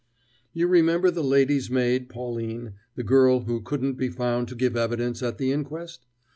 "You remember the lady's maid, Pauline, the girl who couldn't be found to give evidence at the inquest?